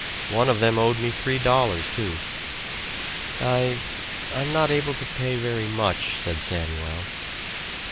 One of them owed me three dollars, too." "I I'm not able to pay very much," said Samuel.